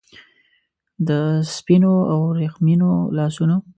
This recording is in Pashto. د سپینو او وریښمینو لاسونو